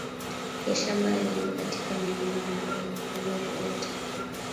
ya shaba yaliyo katika milima ya Oquirrh Utah